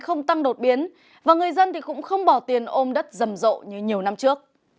không tăng đột biến và người dân cũng không bỏ tiền ôm đất rầm rộ như nhiều năm trước